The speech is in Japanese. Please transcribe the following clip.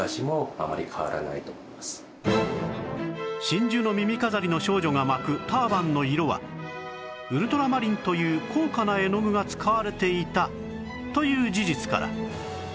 真珠の耳飾りの少女が巻くターバンの色はウルトラマリンという高価な絵の具が使われていたという事実から